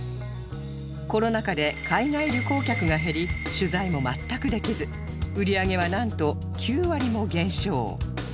コロナ禍で海外旅行客が減り取材も全くできず売り上げはなんと９割も減少